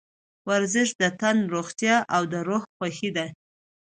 ورزش د تن روغتیا او د روح خوښي ده.